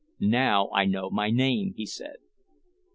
"Now I know my name," he said.